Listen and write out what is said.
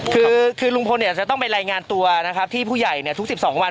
คือลุงพลจะต้องไปรายงานตัวนะครับที่ผู้ใหญ่ทุก๑๒วัน